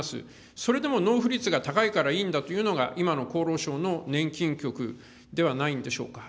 それでも納付率が高いからいいんだというのが、今の厚労省の年金局ではないんでしょうか。